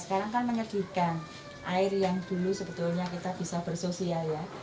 sekarang kan menyedihkan air yang dulu sebetulnya kita bisa bersosial ya